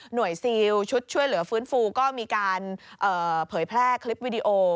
ซีลชุดช่วยเหลือฟื้นฟูก็มีการเผยแพร่คลิปวิดีโอ